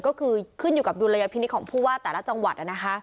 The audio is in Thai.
ก็คือขึ้นอยู่กับดุลยพินิษฐ์ของผู้ว่าแต่ละจังหวัด